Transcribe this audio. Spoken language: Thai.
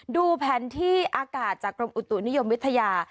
ดูแผนที่อากาศจากกรมอุตุนิยมวิทยา